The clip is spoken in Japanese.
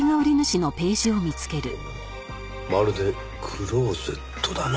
まるでクローゼットだな。